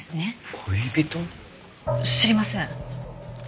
知りません。